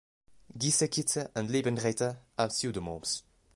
Gieseckite and liebenerite are pseudomorphs.